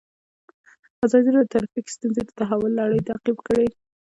ازادي راډیو د ټرافیکي ستونزې د تحول لړۍ تعقیب کړې.